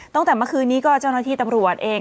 ตั้งแต่เมื่อคืนนี้ก็เจ้าหน้าที่ตำรวจเอง